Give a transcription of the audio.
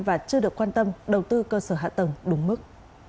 và chưa được quan tâm đầu tư cơ sở hạ tầng đúng mức